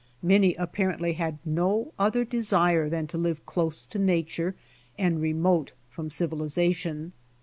Many apparently had no other desire than to live close to nature and remote from civilization.